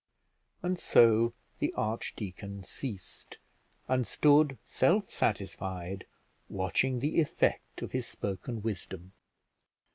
And so the archdeacon ceased, and stood self satisfied, watching the effect of his spoken wisdom.